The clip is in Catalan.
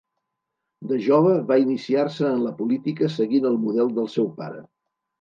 De jove va iniciar-se en la política seguint el model del seu pare.